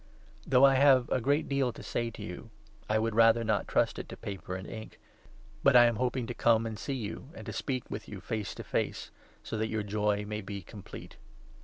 Though I have a great deal to say to you, I would rather 12 not trust it to paper and ink, but I am hoping to come and see you, and to speak with you face to face, so that your joy may be complete.